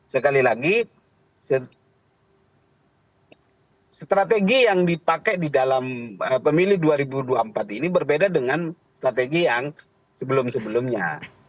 sekali lagi strategi yang dipakai di dalam pemilu dua ribu dua puluh empat ini berbeda dengan strategi yang sebelum sebelumnya